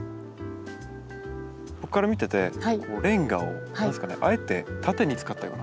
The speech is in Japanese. ここから見ててレンガをあえて縦に使ったような感じなんですか？